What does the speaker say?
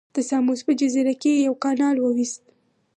د ساموس په جزیره کې یې یو کانال وویست.